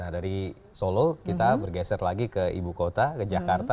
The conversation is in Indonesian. dari solo kita bergeser lagi ke ibu kota ke jakarta